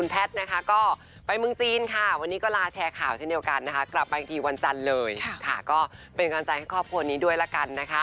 แต่จะเป็นตอนไหนก็เดี๋ยวจะโถบอก